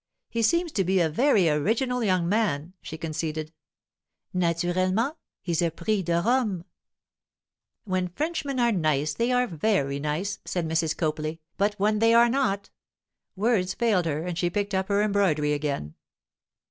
'He seems to be a very original young man,' she conceded. 'Naturellement. He's a prix de Rome.' 'When Frenchmen are nice they are very nice,' said Mrs. Copley; 'but when they are not——' Words failed her, and she picked up her embroidery again.